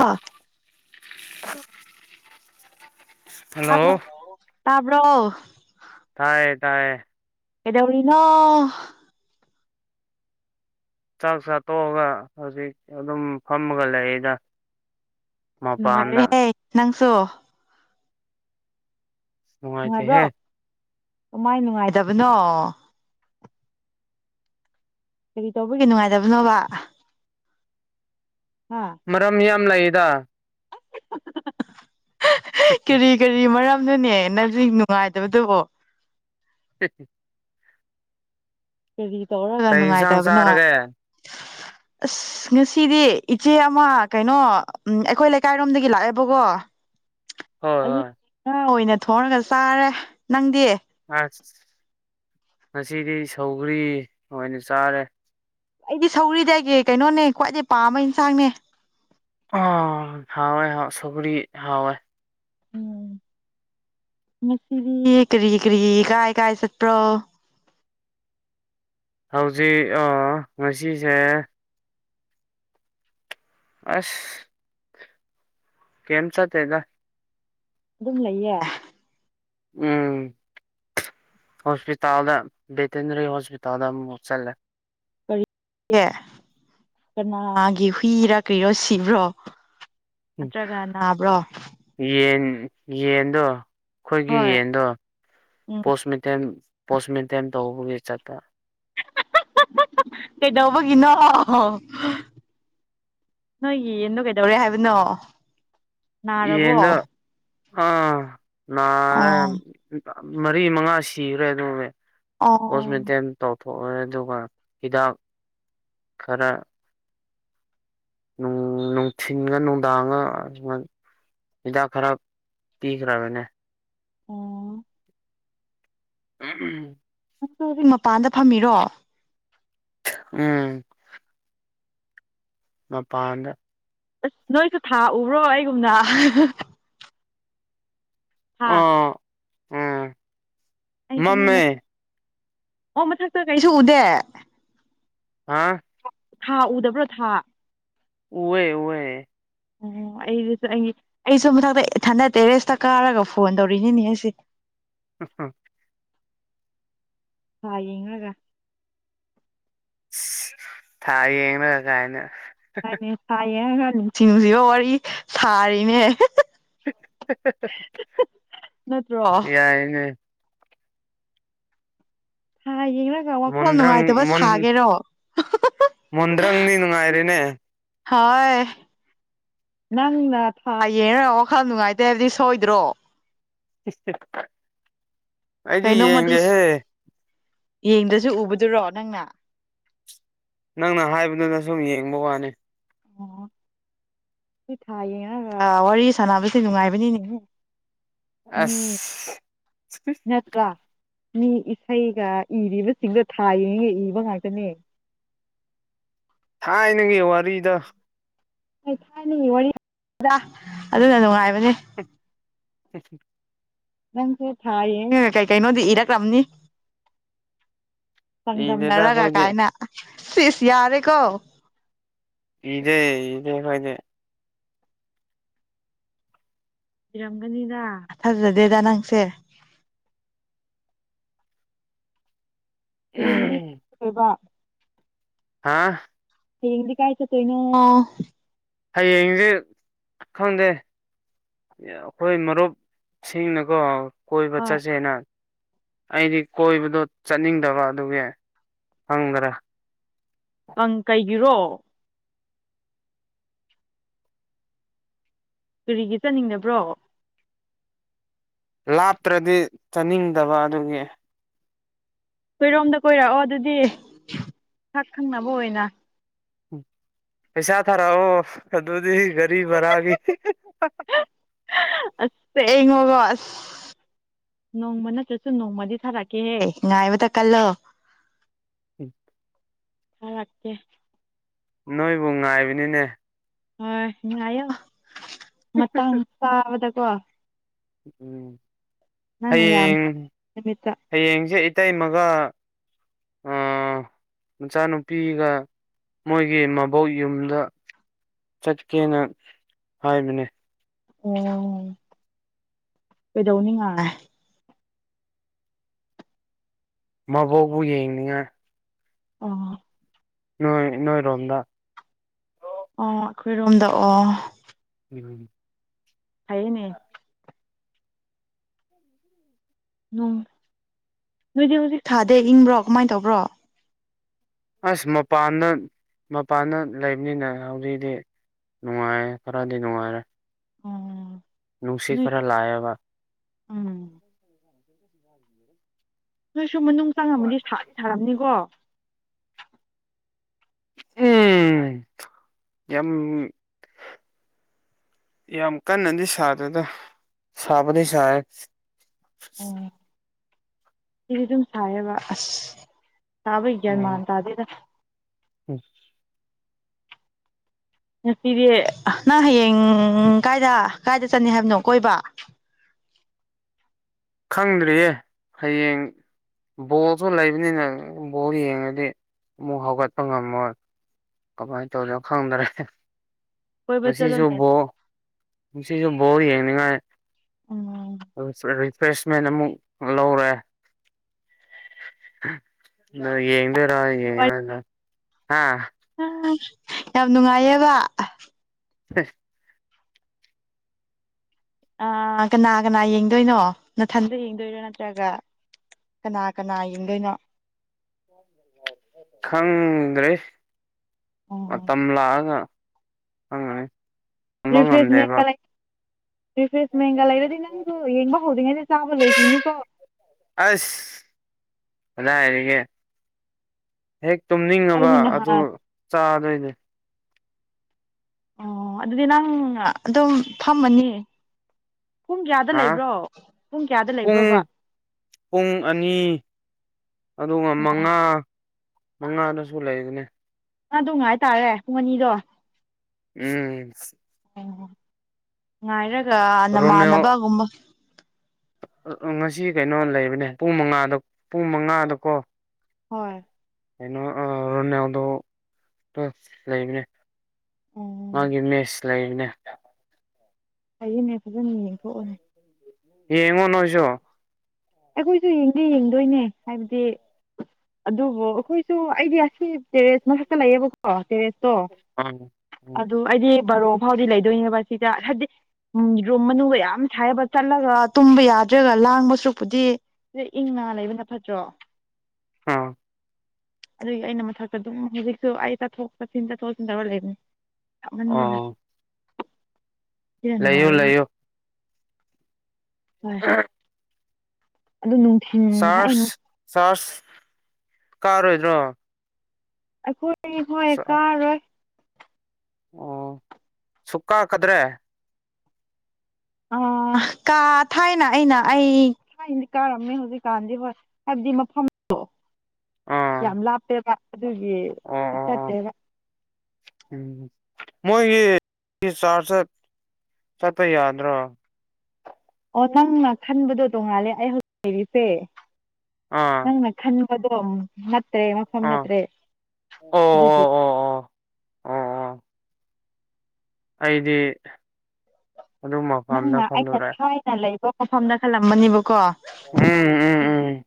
ꯑ [unintelligible] ꯍꯜꯂꯣ ꯇꯥꯕ꯭ꯔꯣ ꯇꯥꯕ꯭ꯔꯣ ꯇꯥꯏꯌꯦ ꯇꯥꯏꯌꯦ ꯀꯩꯗꯧꯔꯤꯅꯣ ꯆꯥꯛ ꯆꯥꯠꯇꯣꯛꯑꯒ ꯍꯧꯖꯤꯛ ꯑꯗꯨꯝ ꯐꯝꯃꯒ ꯂꯩꯔꯤꯗ ꯅꯨꯡꯉꯥꯏꯔꯦꯍꯦ ꯅꯪꯁꯨ ꯅꯨꯡꯉꯥꯏꯕ꯭ꯔꯣ ꯅꯨꯡꯉꯥꯏꯇꯦꯍꯦ ꯀꯃꯥꯏ ꯅꯨꯡꯉꯥꯏꯇꯕꯅꯣ ꯀꯔꯤ ꯇꯧꯕꯒꯤ ꯅꯨꯡꯉꯥꯏꯇꯕꯅꯣꯕ ꯍꯥ ꯃꯔꯝ ꯌꯥꯝ ꯂꯩꯗ ꯀꯔꯤ ꯀꯔꯤ ꯃꯔꯝꯅꯅꯦ ꯅꯖꯤꯛ ꯅꯨꯡꯉꯥꯏꯗꯕꯗꯨꯕꯣ [inaudible] ꯀꯔꯤ ꯇꯧꯔ ꯀꯩ ꯌꯦꯟꯁꯥꯡ ꯆꯥꯔꯒꯦ ꯑꯁ ꯉꯁꯤꯗꯤ ꯏꯆꯦ ꯑꯃ ꯀꯩꯅꯣ ꯎꯝ ꯑꯩꯈꯣꯏ ꯂꯩꯀꯥꯏꯔꯣꯝꯗꯒꯤ ꯂꯥꯛꯑꯦꯕꯀꯣ ꯍꯣꯏ ꯑꯗꯨꯏ ꯍꯣꯏ ꯉꯥ ꯑꯣꯏꯅ ꯊꯣꯡꯔꯒ ꯆꯥꯔꯦ ꯅꯪꯗꯤ ꯑꯁ ꯉꯁꯤꯗꯤ ꯁꯧꯒ꯭ꯔꯤ ꯑꯣꯏꯅ ꯆꯥꯔꯦ ꯑꯩꯗꯤ ꯁꯧꯔꯤꯗꯒꯤ ꯀꯩꯅꯣꯅꯦ ꯈ꯭ꯋꯥꯏꯗꯩ ꯄꯥꯝꯕ ꯏꯟꯁꯥꯡꯅꯦ ꯑꯣ ꯍꯎꯋꯦ ꯍ ꯁꯧꯒ꯭ꯔꯤ ꯍꯎꯋꯦ ꯎꯝ ꯉꯁꯤꯗꯤ ꯀꯔꯤ ꯀꯔꯤ ꯀꯥꯏ ꯀꯥꯏ ꯆꯠꯄ꯭ꯔꯣ ꯍꯧꯖꯤꯛ ꯑ ꯉꯁꯤꯁꯦ ꯑꯁ ꯀꯩꯝ ꯆꯠꯇꯦꯗ ꯑꯗꯨꯝ ꯂꯩꯌꯦ ꯎꯝ ꯍꯣꯁꯄꯤꯇꯥꯜꯗ ꯕꯦꯇꯅꯔꯤ ꯍꯣꯁꯄꯤꯇꯥꯜꯗ ꯑꯃꯨꯛ ꯃꯨꯛ ꯆꯜꯂꯦ ꯀꯔꯤ ꯑꯦ ꯀꯅꯥꯒꯤ ꯍꯨꯏꯔꯥ ꯀꯩꯔꯣ ꯁꯤꯕ꯭ꯔꯣ ꯅꯠꯇ꯭ꯔꯒ ꯅꯥꯕ꯭ꯔꯣ ꯌꯦꯟ ꯌꯦꯟꯗꯣ ꯑꯩꯈꯣꯏꯒꯤ ꯍꯣꯏ ꯌꯦꯟꯗꯣ ꯎꯝ ꯄꯣꯁ ꯃꯦꯇꯦꯝ ꯄꯣꯁ ꯃꯦꯇꯦꯝ ꯇꯧꯕꯒꯤ ꯆꯠꯄ ꯀꯩꯗꯧꯕꯒꯤꯅꯣ ꯅꯣꯏꯒꯤ ꯌꯦꯟꯗꯣ ꯀꯩꯗꯧꯔꯦ ꯍꯥꯏꯕꯅꯣ ꯅꯥꯔꯕꯣ ꯌꯦꯟꯗꯣ ꯑ ꯅꯥꯔꯦ ꯑꯣ ꯃꯔꯤ ꯃꯉꯥ ꯁꯤꯈ꯭ꯔꯦ ꯑꯗꯨꯅꯦ ꯑꯣ ꯄꯣꯁꯃꯦꯇꯦꯝ ꯇꯧꯊꯣꯛꯑꯦ ꯑꯗꯨꯒ ꯍꯤꯗꯥꯛ ꯈꯔ ꯅꯨꯡ ꯅꯨꯡꯊꯤꯟꯒ ꯅꯨꯡꯗꯥꯡꯉ ꯁꯨꯃꯥꯏ ꯍꯤꯗꯥꯛ ꯈꯔ ꯄꯤꯈ꯭ꯔꯕꯅꯦ ꯑꯣ [unintelligible] ꯅꯪꯁꯨ ꯍꯧꯖꯤꯛ ꯃꯄꯥꯟꯗ ꯐꯝꯃꯤꯔꯣ ꯎꯝ ꯃꯄꯥꯟꯗ ꯑꯁ ꯅꯣꯏꯁꯨ ꯊꯥ ꯎꯕ꯭ꯔꯣ ꯑꯩꯒꯨꯝꯅ ꯍꯥꯥ ꯑꯣ ꯎꯝ ꯑꯩꯁꯨꯅꯦ ꯃꯝꯃꯦ ꯃꯊꯛ ꯑꯣ ꯃꯊꯛꯇ ꯀꯩꯁꯨ ꯎꯗꯦ ꯑ ꯊꯥ ꯎꯗꯕ꯭ꯔꯣ ꯊꯥ ꯎꯋꯦ ꯎꯋꯦ ꯑꯣ ꯑꯩ [unintelligible] ꯑꯩꯒꯤ ꯑꯩꯁꯨ ꯃꯊꯛꯇ ꯏꯊꯟꯗ ꯇꯦꯔꯦꯁꯇ ꯀꯥꯔꯒ ꯐꯣꯟ ꯇꯧꯔꯤꯅꯤꯅꯦ ꯑꯩꯁꯦ ꯑ ꯑꯥ ꯊꯥ ꯌꯦꯡꯔꯒ ꯊꯥ ꯌꯦꯡꯂꯒ ꯀꯥꯏꯅ ꯍꯥꯏꯅꯦ ꯊꯥ ꯌꯦꯡꯔꯒ ꯅꯨꯡꯁꯤ ꯅꯨꯡꯁꯤꯕ ꯋꯥꯔꯤ ꯁꯥꯔꯤꯅꯦ ꯅꯠꯇ꯭ꯔꯣ ꯌꯥꯏꯅꯦ ꯊꯥ ꯌꯦꯡꯔ ꯋꯥꯈꯜ ꯃꯨꯟꯗ꯭ꯔꯪ ꯅꯨꯡꯉꯥꯏꯇꯕ ꯃꯨꯟ ꯁꯥꯒꯦꯔꯣ ꯃꯨꯟꯗ꯭ꯔꯪꯗꯤ ꯅꯨꯡꯉꯥꯏꯔꯦꯅꯦ ꯍꯥꯎꯋꯦ ꯅꯪꯅ ꯊꯥ ꯌꯦꯡꯔꯒ ꯋꯥꯈꯜ ꯅꯨꯡꯉꯥꯏꯇꯦ ꯍꯥꯏꯕꯗꯤ ꯁꯣꯏꯗ꯭ꯔꯣ ꯏꯁꯇ ꯀꯩꯅꯣꯝꯃꯗꯤ ꯌꯦꯡꯗ꯭ꯔꯖꯨ ꯎꯕꯗꯨꯔꯣ ꯅꯪꯅ ꯅꯪꯅ ꯍꯥꯏꯕꯗꯨꯅ ꯁꯨꯝ ꯌꯦꯡꯕ ꯋꯥꯅꯤ ꯑꯣ [inaudible] ꯊꯥ ꯌꯦꯡꯔꯒ ꯋꯥꯔꯤ ꯁꯥꯟꯅꯕꯁꯦ ꯅꯨꯡꯉꯥꯏꯕꯅꯤꯅꯦꯍꯦ ꯑꯁ ꯅꯠꯇ꯭ꯔꯥ ꯃꯤ ꯏꯁꯩꯒ ꯏꯔꯤꯕꯁꯤꯡꯗꯣ ꯊꯥ ꯌꯦꯡꯉꯒ ꯏꯕ ꯉꯥꯛꯇꯅꯦ ꯊꯥꯏꯅꯒꯤ ꯋꯥꯔꯤꯗꯣ ꯊꯥꯏ ꯊꯥꯏꯅꯒꯤ ꯋꯥꯔꯤꯗ ꯑꯗꯨꯅ ꯅꯨꯡꯉꯥꯏꯕꯅꯦ [unintelligible] ꯅꯪꯁꯦ ꯊꯥꯌꯦꯡ ꯀꯩ ꯀꯩꯅꯣꯗꯤ ꯏꯔꯛꯂꯝꯅꯤ ꯏꯗꯦꯗ ꯆꯥꯡꯗꯝꯅꯔꯒ ꯑꯩꯈꯣꯏꯗꯤ ꯀꯥꯏꯅ ꯁꯤꯁ ꯌꯥꯔꯦꯀꯣ ꯏꯗꯦ ꯏꯍꯦ ꯈꯣꯏꯅꯦ ꯏꯔꯝꯒꯅꯤꯗ ꯐꯥꯖꯗꯦꯗ ꯅꯪꯁꯦ ꯍꯌꯦꯡꯗꯤ ꯀꯩꯕ ꯍꯥꯥ ꯍꯌꯦꯡꯗꯤ ꯀꯥꯏ ꯆꯠꯇꯣꯏꯅꯣ ꯍꯌꯦꯡꯁꯦ ꯈꯪꯗꯦ ꯑꯩꯈꯣꯏ ꯃꯔꯨꯞꯁꯤꯡꯅꯀꯣ ꯀꯣꯏꯕ ꯍꯣꯏ ꯆꯠꯁꯦꯅ ꯑꯩꯗꯤ ꯀꯣꯏꯕꯗꯣ ꯆꯠꯅꯤꯡꯗꯕ ꯑꯗꯨꯒꯤ ꯈꯪꯗꯔꯦ ꯀꯪ ꯀꯩꯒꯤꯔꯣ ꯀꯔꯤꯒꯤ ꯆꯠꯅꯤꯡꯅꯕ꯭ꯔꯣ ꯂꯥꯞꯇ꯭ꯔꯗꯤ ꯆꯥꯅꯤꯡꯗꯕ ꯑꯗꯨꯒꯤ ꯈꯣꯏꯔꯣꯝꯗ ꯀꯣꯏꯔꯛꯑꯣ ꯑꯗꯨꯗꯤ ꯁꯛ ꯈꯪꯅꯕ ꯑꯣꯏꯅ ꯎ ꯄꯩꯁꯥ ꯊꯥꯔꯛꯑꯣ ꯑꯗꯨꯗꯤ ꯒꯥꯔꯤ ꯚꯔꯥꯒꯤ [unintelligible] ꯅꯣꯡꯃ ꯅꯠꯇ꯭ꯔꯁꯨ ꯅꯣꯡꯃꯗꯤ ꯊꯥꯔꯛꯀꯦꯍꯦ ꯉꯥꯏꯕꯇ ꯀꯜꯂꯣ ꯎꯝ ꯊꯥꯔꯛꯀꯦ ꯅꯣꯏꯕꯨ ꯉꯥꯏꯕꯅꯤꯅꯦ ꯍꯣꯏ ꯉꯥꯏꯌꯣ ꯃꯇꯥꯡ ꯆꯥꯕꯗꯀꯣ ꯅꯪꯅ ꯌꯥꯝ ꯍꯌꯦꯡ ꯅꯨꯃꯤꯠꯇ ꯍꯌꯦꯡꯖꯦ ꯏꯇꯩꯃꯒ ꯎꯝ ꯃꯆꯥꯅꯨꯄꯤꯒ ꯃꯣꯏꯒꯤ ꯃꯕꯣꯛ ꯌꯨꯝꯗ ꯆꯠꯀꯦꯅ ꯍꯥꯏꯕꯅꯦ ꯑꯣ ꯀꯩꯗꯧꯅꯤꯉꯥꯏ ꯃꯕꯣꯛꯄꯨ ꯌꯦꯡꯅꯤꯡꯉꯥꯏ ꯑꯣ ꯅꯣꯏ ꯅꯣꯏꯔꯣꯝꯗ ꯑꯣ ꯑꯩꯈꯣꯏꯔꯣꯝꯗ ꯑꯣ [unintelligible] ꯐꯩꯌꯦꯅꯦ ꯅꯣꯏꯗꯤ ꯍꯧꯖꯤꯛ ꯊꯥꯗꯦ ꯏꯪꯕ꯭ꯔꯣ ꯀꯃꯥꯏꯟ ꯇꯧꯕ꯭ꯔꯣ ꯑꯁ ꯃꯄꯥꯟꯗ ꯃꯄꯥꯟꯗ ꯂꯩꯕꯅꯤꯅ ꯍꯧꯖꯤꯛꯗꯤ ꯅꯨꯡꯉꯥꯏꯔꯦ ꯈꯔꯗꯤ ꯅꯨꯡꯉꯥꯏꯔꯦ ꯎꯝ ꯅꯨꯡꯁꯤꯠ ꯈꯔ ꯂꯥꯛꯑꯕ ꯎꯝ [unintelligible] ꯅꯣꯏꯁꯨ ꯃꯅꯨꯡ ꯆꯪꯝꯉꯃꯗꯤ ꯁꯥꯗꯤ ꯁꯥꯔꯝꯅꯤꯀꯣ ꯎꯝ ꯌꯥꯝ ꯌꯥꯝ ꯀꯟꯅꯗꯤ ꯁꯥꯗꯦꯗ ꯁꯥꯕꯗꯤ ꯁꯥꯏ ꯑꯣ ꯁꯤꯗꯤ ꯑꯗꯨꯝ ꯁꯥꯏꯌꯦꯕ ꯑꯁ ꯁꯥꯥꯕꯩ ꯒ꯭ꯌꯥꯟ ꯎꯝ ꯃꯥꯟ ꯇꯥꯗꯦꯗ [unintelligible] ꯉꯁꯤꯗꯤ ꯅꯪ ꯍꯌꯦꯡ ꯀꯥꯏꯗ ꯀꯥꯏꯗ ꯆꯠꯅꯤ ꯍꯥꯏꯕꯅꯣ ꯀꯣꯏꯕ ꯈꯪꯗꯔꯤꯌꯦ ꯍꯌꯦꯡ ꯕꯣꯜꯁꯨ ꯂꯩꯕꯅꯤꯅ ꯕꯣꯜ ꯌꯦꯡꯉꯗꯤ ꯑꯃꯨꯛ ꯍꯧꯒꯠꯄ ꯉꯝꯃꯣꯏ ꯀꯃꯥꯏꯅ ꯇꯧꯔꯤꯅꯣ ꯈꯪꯗ꯭ꯔꯦ ꯀꯣꯏꯕ ꯉꯁꯤꯁꯨ ꯆꯠꯂꯣꯅꯦ ꯕꯣꯜ ꯉꯁꯤꯁꯨ ꯕꯣꯜ ꯌꯦꯡꯅꯤꯡꯉꯥꯏ ꯎꯝ ꯔꯤꯐ꯭ꯔꯦꯁꯃꯦꯟ ꯑꯃꯨꯛ ꯂꯧꯔꯦ ꯌꯦꯉꯗꯣꯏꯔ ꯌꯦꯉꯉꯔꯣꯏꯗꯔ ꯍꯥ ꯌꯥꯝ ꯅꯨꯡꯉꯥꯏꯌꯦꯕ [unintelligible] ꯑ ꯀꯅꯥ ꯀꯅꯥ ꯌꯦꯡꯗꯣꯏꯅꯣ ꯅꯊꯟꯗ ꯌꯦꯡꯗꯣꯏꯔꯣ ꯅꯠꯇ꯭ꯔꯒ ꯀꯅꯥ ꯀꯅꯥ ꯌꯦꯡꯗꯣꯏꯅꯣ ꯈꯪꯗ꯭ꯔꯦ ꯑꯣ ꯃꯇꯝ ꯂꯥꯛꯑꯒ ꯅꯪꯅꯅꯦ ꯔꯤꯐ꯭ꯔꯦꯁꯃꯦꯟ ꯒ ꯔꯤꯐ꯭ꯔꯦꯁꯃꯦꯟꯒ ꯂꯩꯔꯗꯤ ꯅꯪꯁꯨ ꯌꯦꯡꯕ ꯍꯧꯗ꯭ꯔꯤꯉꯩꯗ ꯆꯥꯕ ꯂꯣꯏꯈꯤꯅꯤꯀꯣ ꯑꯁ ꯀꯗꯥꯏꯗꯒꯤ ꯍꯦꯛ ꯇꯨꯝꯅꯤꯡꯉꯕ ꯑꯩꯗꯤ ꯑꯗꯨ ꯅꯍꯥꯟ ꯆꯥꯗꯣꯏꯅꯦ ꯑꯣ ꯑꯗꯨꯗꯤ ꯅꯪ ꯑꯗꯨꯝ ꯊꯝꯃꯅꯤ ꯄꯨꯡ ꯀꯌꯥꯗ ꯍꯥ ꯂꯩꯕ꯭ꯔꯣ ꯄꯨꯡ ꯀꯌꯥꯗ ꯄꯨꯡ ꯂꯩꯕ꯭ꯔꯣꯕ ꯄꯨꯡ ꯑꯅꯤ ꯑꯗꯨꯒ ꯑꯣ ꯃꯉꯥ ꯃꯉꯥꯗꯁꯨ ꯂꯩꯕꯅꯦ ꯑꯗꯨ ꯉꯥꯏꯇꯥꯔꯦ ꯄꯨꯡ ꯑꯅꯤꯗꯣ ꯎꯝ ꯑꯣ ꯉꯥꯏꯔꯒ ꯔꯣꯅꯦꯜ ꯅꯃꯥꯟꯅꯕꯒꯨꯝꯕ ꯉꯁꯤ ꯀꯩꯅꯣ ꯂꯩꯕꯅꯦ ꯄꯨꯡ ꯃꯉꯥꯗ ꯄꯨꯡ ꯃꯉꯥꯗꯀꯣ ꯍꯣꯏ ꯀꯩꯅꯣ ꯔꯣꯟ ꯅꯎꯗꯣ ꯂꯩꯕꯅꯦ ꯑꯣ ꯃꯥꯒꯤ ꯃꯦꯁ ꯂꯩꯔꯤꯅꯦ ꯑꯩꯅꯦ ꯐꯖꯅ ꯌꯦꯡꯊꯣꯛꯎꯅꯦ ꯌꯦꯡꯉꯣ ꯅꯣꯏꯁꯨ ꯑꯩꯈꯣꯏꯁꯨ ꯌꯦꯡꯗꯤ ꯌꯦꯡꯗꯣꯏꯅꯦ ꯍꯥꯏꯕꯗꯤ ꯑꯗꯨꯕꯨꯣ ꯑꯩꯈꯣꯏꯁꯨ ꯑꯩꯗꯤ ꯑꯁꯤ ꯇꯦꯔꯦꯁ ꯃ ꯈꯛꯇ ꯂꯩꯌꯦꯕꯣ ꯑꯣ ꯇꯦꯔꯦꯁꯇꯣ ꯎꯝ ꯎꯝ ꯑꯗꯨ ꯑꯩꯗꯤ ꯕꯔꯣ ꯐꯥꯎꯗꯤ ꯂꯩꯗꯣꯏꯅꯦꯕ ꯁꯤꯗ ꯍꯥꯏꯗꯤ ꯎꯝ ꯔꯨꯝ ꯃꯅꯨꯡꯗ ꯌꯥꯝ ꯁꯥꯏꯕ ꯆꯠꯂꯒ ꯇꯨꯝꯕ ꯌꯥꯗ꯭ꯔꯒ ꯂꯥꯡꯕꯁꯨ ꯄꯨꯗꯤ ꯁꯤꯗ ꯏꯪ ꯂꯩꯕꯅ ꯐꯠꯇ꯭ꯔꯣ ꯑꯥ ꯑꯗꯨꯒꯤ ꯑꯩꯅ ꯃꯊꯛꯇ ꯑꯗꯨꯝ ꯍꯧꯖꯤꯛꯁꯨ ꯑꯩ ꯆꯠꯊꯣꯛ ꯆꯠꯁꯤꯟ ꯇꯠꯊꯣꯛ ꯆꯁꯤꯟꯊꯔꯒ ꯂꯩꯕꯅꯤ ꯌꯥꯝꯍꯟꯗꯅ ꯑꯣ ꯁꯤꯅ ꯂꯩꯌꯨ ꯅꯨꯡꯉꯥꯏꯔꯦ ꯍꯥꯏ ꯂꯩꯌꯨ ꯍꯣꯏ [unintelligible] ꯑꯗꯨ ꯅꯨꯡꯊꯤꯜ ꯆꯔꯁ ꯆꯔꯁ ꯀꯥꯔꯣꯏꯗ꯭ꯔꯣ ꯑꯩꯈꯣꯏꯅꯤ ꯍꯣꯏ ꯀꯥꯔꯣꯏ ꯑꯣ ꯁꯨꯛ ꯀꯥꯛꯀꯗ꯭ꯔꯦ ꯑ ꯀꯥ ꯊꯥꯏꯅ ꯑꯩꯅ ꯑꯩ ꯊꯥꯏꯅꯗꯤ ꯀꯥꯔꯝꯃꯦ ꯍꯧꯖꯤꯛꯀꯥꯟꯗꯤ ꯍꯣꯏ ꯍꯥꯏꯕꯗꯤ ꯃꯐꯝꯗꯣ ꯑꯥ ꯌꯥꯝ ꯂꯥꯞꯄꯦꯕ ꯑꯗꯨꯒꯤ ꯆꯠꯇꯦꯕ ꯎꯝ ꯎꯝ ꯃꯣꯏꯒꯤ ꯆꯥꯔꯖ ꯆꯠꯄ ꯌꯥꯗ꯭ꯔꯣ ꯑꯣ ꯅꯪꯅ ꯈꯟꯕꯗꯣ ꯇꯣꯡꯉꯥꯜꯂꯦ ꯑꯩ ꯍꯧꯖꯤꯛ ꯂꯩꯔꯤꯁꯦ ꯑꯥ ꯅꯪꯅ ꯈꯟꯕꯗꯣ ꯅꯠꯇ꯭ꯔꯦ ꯃꯐꯝ ꯑꯥ ꯅꯠꯇ꯭ꯔꯦ ꯑꯣ ꯑꯗꯨꯒꯤ ꯑꯣ ꯑꯣ ꯑꯣ ꯑꯣ ꯑꯣ ꯑꯩꯗꯤ ꯑꯗꯨ ꯃꯄꯝꯗ ꯅꯪꯅ ꯑꯩꯅ ꯈꯜꯂꯨꯔꯦ ꯊꯥꯏꯅ ꯂꯩꯕ ꯃꯐꯝꯗ ꯈꯜꯂꯝꯕꯅꯦꯕꯀꯣ ꯎꯝ ꯎꯝ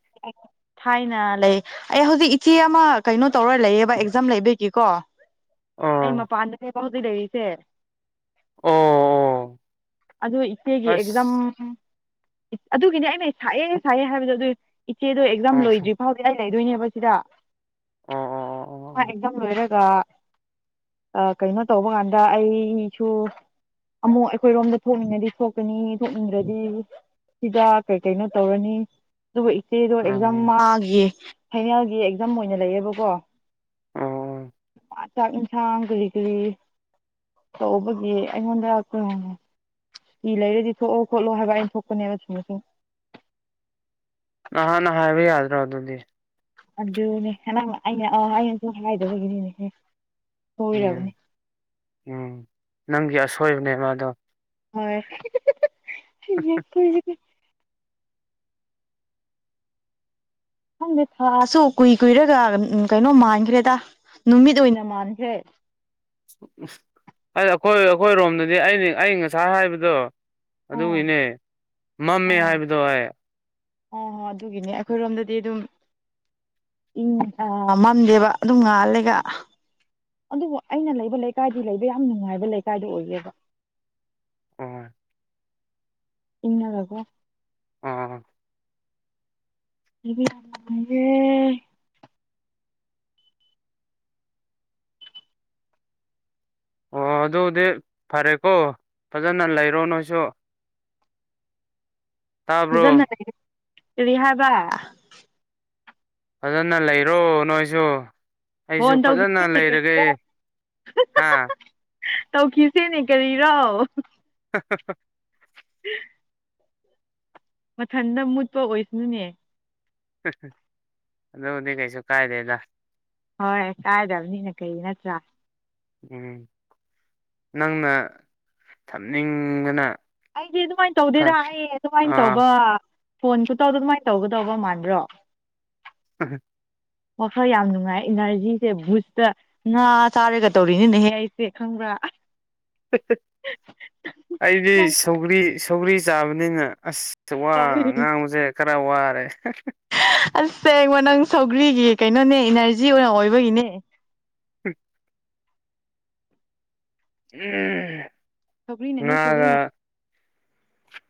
ꯊꯥꯏꯅ ꯂꯩ ꯑꯩ ꯍꯧꯖꯤꯛ ꯏꯆꯦ ꯑꯃ ꯀꯩꯅꯣ ꯇꯧꯔ ꯂꯩꯌꯦꯕ ꯑꯦꯛꯖꯥꯝ ꯂꯩꯕꯒꯤꯀꯣ ꯎꯝ ꯑꯩ ꯑꯣ ꯃꯄꯥꯟꯗꯅꯦꯕ ꯍꯧꯖꯤꯛ ꯂꯩꯔꯤꯁꯦ ꯑꯣ ꯑꯗꯨ ꯏꯆꯦꯒꯤ ꯑꯦꯛꯖꯝ ꯑꯁ ꯑꯗꯨꯒꯤꯅꯤ ꯑꯩꯅ ꯁꯥꯏꯑꯦ ꯁꯥꯏꯑꯦ ꯍꯥꯏꯕꯗꯣ ꯑꯗꯨ ꯏꯆꯦꯗꯣ ꯑꯦꯛꯖꯥꯝ ꯑꯣ ꯂꯣꯏꯗ꯭ꯔꯤ ꯐꯥꯎꯗꯤ ꯑꯩ ꯂꯩꯗꯣꯏꯅꯦꯕ ꯁꯤꯗ ꯑꯣ ꯑꯣ ꯃꯥ ꯑꯣ ꯑꯦꯛꯖꯥꯝ ꯂꯣꯏꯔ ꯒ ꯑ ꯀꯩꯅꯣ ꯇꯧꯕ ꯀꯥꯟꯗ ꯑꯩꯁꯨ ꯑꯃꯨꯛ ꯑꯩꯈꯣꯏꯔꯣꯝꯗ ꯊꯣꯛꯅꯤꯡꯉꯗꯤ ꯊꯣꯛꯀꯅꯤ ꯊꯣꯛꯅꯤꯡꯗ꯭ꯔꯗꯤ ꯁꯤꯗ ꯀꯩ ꯀꯩꯅꯣ ꯇꯧꯔꯅꯤ ꯑꯗꯨꯕꯨ ꯏꯆꯦꯗꯣ ꯑꯦꯛꯖꯥꯝ ꯎꯝ ꯃꯥꯒꯤ ꯐꯥꯏꯅꯦꯜꯒꯤ ꯑꯦꯛꯖꯥꯝ ꯑꯣꯏꯅ ꯂꯩꯌꯦꯕꯀꯣ ꯑꯣ ꯆꯥꯛ ꯏꯟꯁꯥꯡ ꯀꯔꯤ ꯀꯔꯤ ꯇꯧꯕꯒꯤ ꯑꯩꯉꯣꯟꯗ [unintelligible] ꯁꯨꯇꯤ ꯂꯩꯔꯗꯤ ꯊꯣꯛꯑꯣ ꯈꯣꯠꯂꯣ ꯍꯥꯏꯕ ꯑꯩꯅ ꯊꯣꯛꯄꯅꯦꯕ ꯁꯨꯝꯔ ꯁꯨꯝ ꯅꯍꯥꯟꯅ ꯍꯥꯏꯕ ꯌꯥꯗ꯭ꯔꯣ ꯑꯗꯨꯗꯤ ꯑꯗꯨꯅꯦ ꯍꯦꯅꯪ ꯑꯩꯅ ꯑ ꯑꯩꯅꯁꯨ ꯍꯥꯏꯗꯕꯒꯤꯅꯤꯅꯦꯍꯦ ꯁꯣꯏꯔꯕꯅꯦ ꯎꯝ ꯎꯝ ꯅꯪꯒꯤ ꯑꯁꯣꯏꯕꯅꯦ ꯑꯗꯣ ꯍꯣꯏ ꯈꯪꯗꯦ ꯊꯥꯁꯨ ꯀꯨꯏ ꯀꯨꯏꯔꯒ ꯎꯝ ꯀꯩꯅꯣ ꯃꯥꯟꯈ꯭ꯔꯦꯗ ꯅꯨꯃꯤꯠ ꯑꯣꯏꯅ ꯃꯥꯟꯈ꯭ꯔꯦ ꯎ ꯑꯩ ꯑꯈꯣꯏ ꯑꯈꯣꯏꯔꯣꯝꯗꯗꯤ ꯑꯩꯅꯤ ꯑꯩ ꯉꯁꯥꯏ ꯍꯥꯏꯕꯗꯣ ꯑꯥ ꯑꯗꯨꯒꯤꯅꯦ ꯃꯝꯃꯦ ꯍꯥꯏꯕꯗꯣ ꯍꯦ ꯑꯣ ꯑꯗꯨꯒꯤꯅꯦ ꯑꯩꯈꯣꯏꯔꯣꯝꯗꯗꯤ ꯑꯗꯨꯝ ꯏꯪ ꯑ ꯃꯝꯗꯦꯕ ꯑꯗꯨꯝ ꯉꯥꯜꯂꯦꯒ ꯑꯗꯨꯕꯨ ꯑꯩꯅ ꯂꯩꯕ ꯂꯩꯀꯥꯏꯗꯤ ꯂꯩꯕ ꯌꯥꯝ ꯅꯨꯡꯉꯥꯏꯕ ꯂꯩꯀꯥꯏꯗꯨ ꯑꯣꯏꯌꯦꯕ ꯑꯣ ꯏꯪꯅꯒꯀꯣ ꯑꯥ ꯑꯩꯗꯤ ꯌꯥꯝ ꯅꯨꯡꯉꯥꯏꯌꯦ ꯑꯣ ꯑꯗꯨꯗꯤ ꯐꯔꯦꯀꯣ ꯐꯖꯅ ꯂꯩꯔꯣ ꯅꯣꯏꯁꯨ [unintelligible] ꯐꯖꯅꯔꯦ ꯀꯔꯤ ꯍꯥꯏꯕ ꯐꯖꯅ ꯂꯩꯔꯣ ꯅꯣꯏꯁꯨ ꯐꯣꯟ ꯑꯩꯁꯨ ꯐꯖꯅ ꯇꯧꯔꯤꯌꯦ ꯂꯩꯔꯒꯦ ꯀꯩꯗ ꯍꯥ ꯇꯧꯈꯤꯁꯦꯅꯦ ꯀꯔꯤꯔꯣ [unintelligible] [unintelligible] ꯃꯊꯟꯗ ꯃꯨꯠꯄ ꯑꯣꯏꯕꯅꯤꯅꯦ ꯑꯗꯨꯕꯨꯗꯤ ꯀꯩꯁꯨ ꯀꯥꯏꯗꯦꯗ ꯍꯣꯏ ꯀꯥꯏꯗꯕꯅꯤꯅ ꯀꯩꯒꯤ ꯅꯠꯇ꯭ꯔꯥ ꯎꯝ ꯅꯪꯅ ꯊꯝꯅꯤꯡꯕꯅ ꯑꯩꯗꯤ ꯑꯗꯨꯃꯥꯏꯟ ꯇꯧꯗꯦꯗ ꯈꯔ ꯑꯩ ꯑꯗꯨꯃꯥꯏꯟ ꯑꯥ ꯇꯧꯕ ꯐꯣꯟ ꯈꯨꯠꯇꯧ ꯑꯗꯨ ꯑꯗꯨꯃꯥꯏꯟ ꯇꯧꯒꯗꯧꯕ ꯃꯥꯟꯕ꯭ꯔꯣ ꯍꯝ ꯋꯥꯈꯜ ꯌꯥꯝ ꯅꯨꯡꯉꯥꯏ ꯏꯅꯔꯖꯤꯁꯦ ꯕꯨꯖꯇ ꯉꯥ ꯆꯥꯔꯦꯒ ꯇꯧꯔꯤꯅꯤꯅꯦꯍꯦ ꯑꯩꯁꯦ ꯈꯪꯕ꯭ꯔꯥ ꯑꯩꯗꯤ ꯅꯪ ꯁꯧꯒ꯭ꯔꯤ ꯁꯧꯒ꯭ꯔꯤ ꯆꯥꯕꯅꯤꯅ ꯑꯁ ꯋꯥꯒ ꯉꯥꯡꯕꯁꯦ ꯈꯔ ꯋꯥꯔꯦ ꯑꯁꯦꯡꯕ ꯅꯪ ꯁꯧꯒ꯭ꯔꯤꯒꯤ ꯀꯩꯅꯣꯅꯦ ꯏꯅꯔꯖꯤ ꯑꯣꯏꯅ ꯑꯣꯏꯕꯒꯤꯅꯦ [unintelligible] ꯁꯧꯒ꯭ꯔꯤꯅꯅꯦ ꯉꯥꯒ ꯁꯧꯒ꯭ꯔꯤꯅ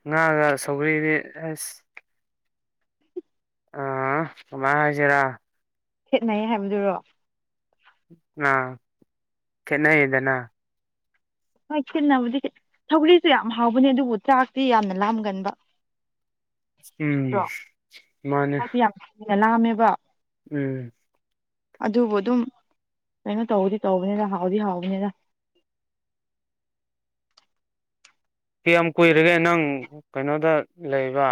ꯉꯥꯒ ꯁꯧꯒ꯭ꯔꯤꯗꯤ ꯑꯁ ꯑ ꯀꯃꯥꯏ ꯍꯥꯏꯁꯤꯔꯥ ꯈꯦꯠꯅꯩ ꯍꯥꯏꯕꯗꯨꯔꯣ ꯑ ꯈꯦꯠꯅꯩꯗꯅ ꯍꯣꯏ ꯈꯦꯠꯅꯕꯗꯤ ꯁꯧꯒꯔꯤꯁꯨ ꯌꯥꯝ ꯍꯥꯎꯕꯅꯦ ꯑꯗꯨꯕꯨ ꯆꯥꯛꯇꯤ ꯌꯥꯝꯅ ꯂꯥꯝꯒꯟꯕ ꯎꯝ ꯃꯥꯅꯦ ꯃꯥꯗꯤ ꯌꯥꯝ ꯊꯨꯅ ꯂꯥꯝꯃꯦꯕ ꯎꯝ ꯑꯗꯨꯕꯨ ꯑꯗꯨꯝ ꯀꯩꯅꯣ ꯇꯧꯗꯤ ꯇꯧꯕꯅꯤꯅ ꯍꯥꯎꯗꯤ ꯍꯥꯎꯕꯅꯤꯗ ꯀꯌꯥꯝ ꯀꯨꯏꯔꯒꯦ ꯅꯪ ꯀꯩꯅꯣꯗ ꯂꯩꯕ